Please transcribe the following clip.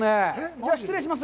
じゃあ、失礼します。